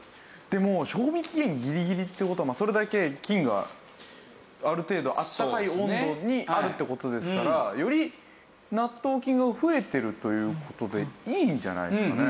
でも賞味期限ギリギリって事はそれだけ菌がある程度あったかい温度にあるって事ですからより納豆菌が増えてるという事でいいんじゃないですかね？